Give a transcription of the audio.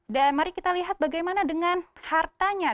dan mari kita lihat bagaimana dengan hartanya